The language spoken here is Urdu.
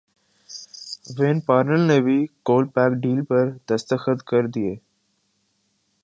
وین پارنیل نے بھی کولپاک ڈیل پر دستخط کردیے